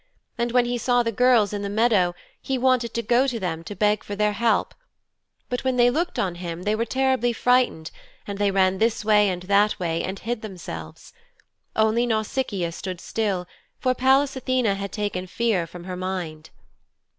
And when he saw the girls in the meadow he wanted to go to them to beg for their help. But when they looked on him they were terribly frightened and they ran this way and that way and hid themselves. Only Nausicaa stood still, for Pallas Athene had taken fear from her mind.